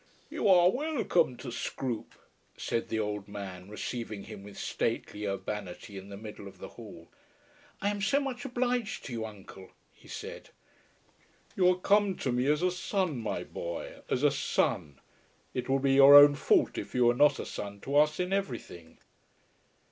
"You are welcome to Scroope," said the old man, receiving him with stately urbanity in the middle of the hall. "I am so much obliged to you, uncle," he said. "You are come to me as a son, my boy, as a son. It will be your own fault if you are not a son to us in everything."